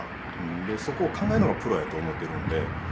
でそこを考えるのがプロやと思うてるんで。